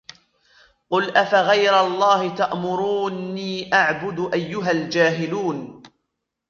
قل أفغير الله تأمروني أعبد أيها الجاهلون